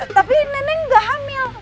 tapi neneng gak hamil